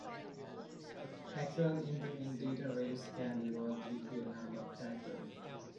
Actual end-to-end data rates can be lower due to a number of factors.